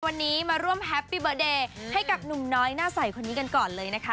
วันนี้มาร่วมแฮปปี้เบอร์เดย์ให้กับหนุ่มน้อยหน้าใสคนนี้กันก่อนเลยนะคะ